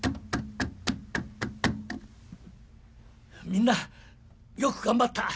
みんなよく頑張った。